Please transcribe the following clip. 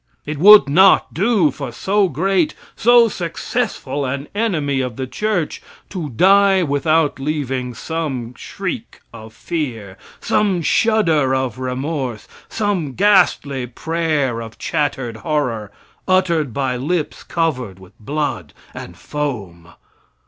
It would not do for so great, so successful an enemy of the church to die without leaving some shriek of fear, some shudder of remorse, some ghastly prayer of chattered horror, uttered by lips covered with blood and foam.